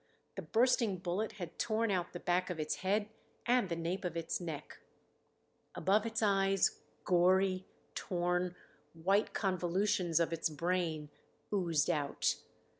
The bursting bullet had torn out the back of its head and the nape of its neck. Above its eyes, gory, torn, white convolutions of its brain oozed out.